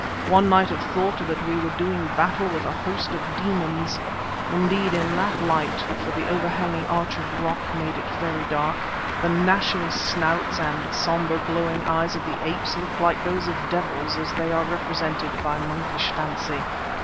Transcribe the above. One might have thought that we were doing battle with a host of demons; indeed in that light—for the overhanging arch of rock made it very dark—the gnashing snouts and sombre glowing eyes of the apes looked like those of devils as they are represented by monkish fancy.